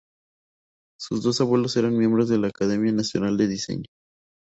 Sus dos abuelos eran miembros de la Academia Nacional de Diseño.